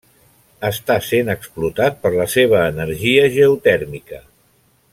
Està sent explotat per la seva energia geotèrmica.